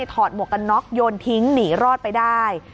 หมวกกันน็อกโยนทิ้งหนีรอดไปได้